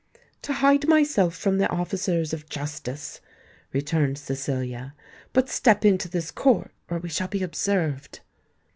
"To hide myself from the officers of justice," returned Cecilia. "But step into this court, or we shall be observed."